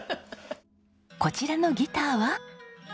こちらのギターは。